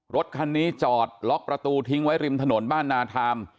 รถคันนี้จอดล็อกประตูทิ้งไว้ริมถนนบ้านนาทาม